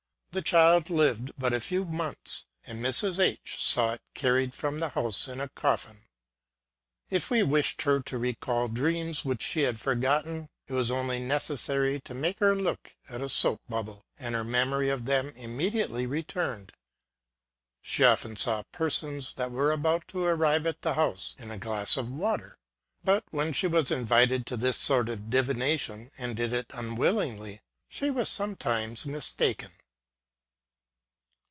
The child lived but a few months, and Mrs. H saw it carried from the house in a coffin. If we wished her to recall dreams which she had forgotten, it was only necessary to make her look at a soap bubble^ and her memory of them immediately returned. She often saw persons, that were about to arrive at the house, in a glass of water ; but when she was invited to this sort of divi nation, and did it unwillingly, she was sometimes mistaken.